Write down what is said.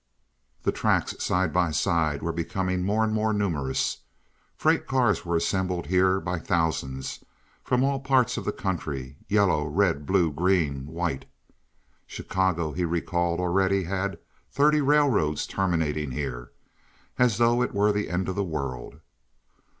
The tracks, side by side, were becoming more and more numerous. Freight cars were assembled here by thousands from all parts of the country—yellow, red, blue, green, white. (Chicago, he recalled, already had thirty railroads terminating here, as though it were the end of the world.)